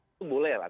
itu boleh lah